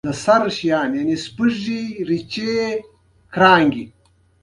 ښارونه د افغانستان د زرغونتیا یوه نښه ده.